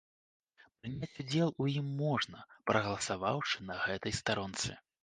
Прыняць удзел у ім можна, прагаласаваўшы на гэтай старонцы.